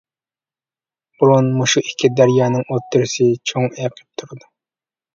بۇرۇن مۇشۇ ئىككى دەريانىڭ ئوتتۇرىسى چوڭ ئېقىپ تۇرىدۇ.